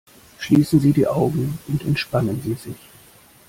Schließen Sie die Augen und entspannen Sie sich!